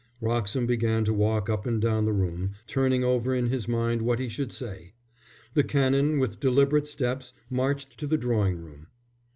Wroxham began to walk up and down the room, turning over in his mind what he should say. The Canon, with deliberate steps, marched to the drawing room.